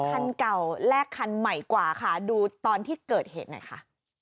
คันเก่าแลกคันใหม่กว่าค่ะดูตอนที่เกิดเหตุหน่อยค่ะ